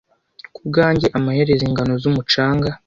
kubwanjye amaherezo ingano z'umucanga